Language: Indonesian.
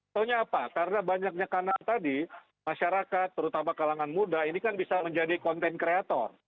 soalnya apa karena banyaknya kanal tadi masyarakat terutama kalangan muda ini kan bisa menjadi content creator